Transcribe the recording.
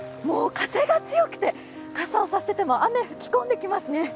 もう風が強くて、傘を差していても雨が吹き込んできますね。